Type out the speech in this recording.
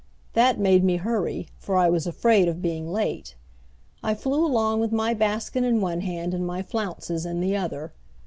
That made me hurry, for I was afraid of being late. I flew along with my basket in one hand and my flounces in the other.